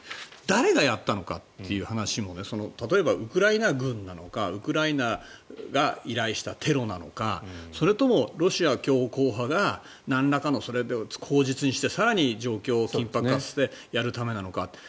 誰がやったのかという話も例えば、ウクライナ軍なのかウクライナが依頼したテロなのかそれともロシア強硬派がなんらかの口実にして更に状況を緊迫化させてやるためなのか。